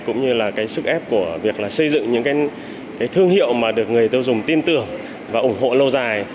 cũng như là sức ép của việc xây dựng những thương hiệu mà được người tiêu dùng tin tưởng và ủng hộ lâu dài